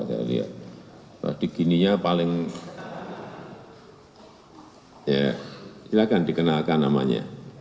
jadi gininya paling ya silakan dikenalkan namanya